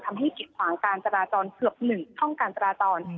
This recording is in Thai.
ทำให้กิดขวางการจราจรเกือบหนึ่งช่องการจราจร